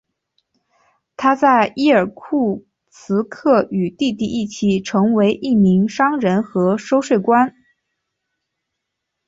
他在伊尔库茨克与弟弟一起成为一名商人和收税官。